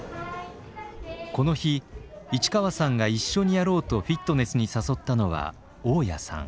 この日市川さんが一緒にやろうとフィットネスに誘ったのは雄谷さん。